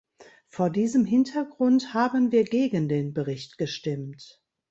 Vor diesem Hintergrund haben wir gegen den Bericht gestimmt.